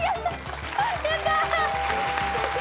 やった！